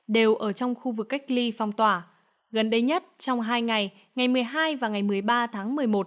đều ở trong khu vực cách ly phong tỏa gần đây nhất trong hai ngày ngày một mươi hai và ngày một mươi ba tháng một mươi một